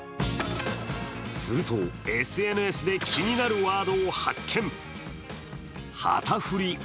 すると、ＳＮＳで気になるワードを発見。